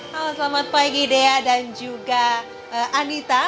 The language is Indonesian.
halo selamat pagi dea dan juga anita